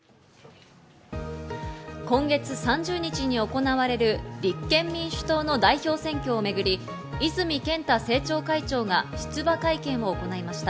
今月３０日に行われる立憲民主党の代表選挙をめぐり泉健太政調会長が出馬会見を行いました。